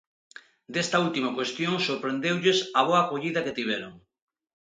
Desta última cuestión sorprendeulles a boa acollida que tiveron.